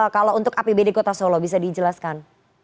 kalau untuk apbd kota solo bisa dijelaskan